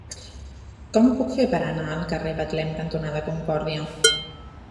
Com ho puc fer per anar al carrer Betlem cantonada Concòrdia?